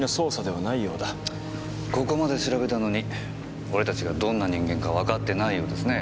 ここまで調べたのに俺たちがどんな人間かわかってないようですねぇ。